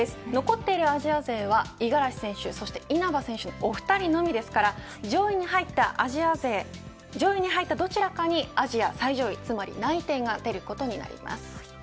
残っているアジア勢は五十嵐選手、そして稲葉選手の２人のみですから上位に入ったどちらかにアジア最上位内定が出ることになります。